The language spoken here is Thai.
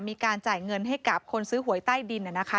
มีหลักฐานเยอะเป็นหลายแสนอะไรแบบเนี่ยนะครับ